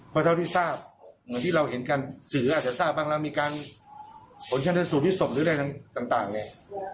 เพราะเท่าที่ทราบเหมือนที่เราเห็นกันสื่ออาจจะทราบบ้างแล้วมีการผลชนสูตรพลิกศพหรืออะไรต่างเนี่ย